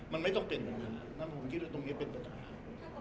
มันไม่ต้องเป็นอย่างนั้นผมคิดว่าตรงนี้เป็นปัญหา